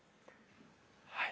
はい。